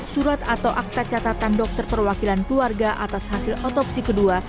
surat atau akta catatan dokter perwakilan keluarga atas hasil otopsi kedua